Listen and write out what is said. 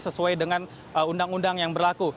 sesuai dengan undang undang yang berlaku